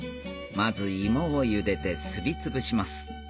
まず芋をゆでてすりつぶします